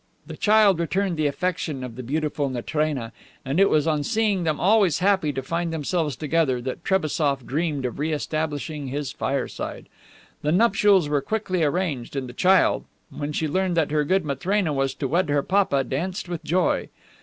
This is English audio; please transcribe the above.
The child returned the affection of the beautiful Matrena, and it was on seeing them always happy to find themselves together that Trebassof dreamed of reestablishing his fireside. The nuptials were quickly arranged, and the child, when she learned that her good Matrena was to wed her papa, danced with joy.